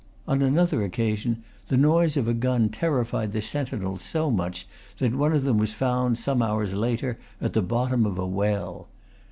On another occasion, the noise of a gun terrified the sentinels so much that one of them was found, some hours later, at the bottom of a well.